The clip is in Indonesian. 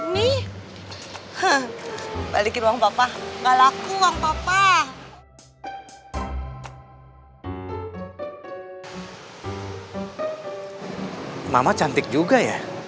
nih balikin uang papa nggak laku uang papa mama cantik juga ya